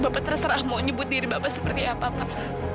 bapak terserah mau nyebut diri bapak seperti apa pak